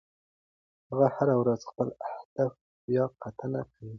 هغه هره ورځ خپل اهداف بیاکتنه کوي.